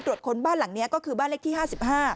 คนบ้านหลังนี้ก็คือบ้านเลขที่๕๕